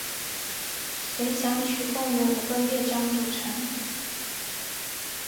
随想曲共有五个乐章组成。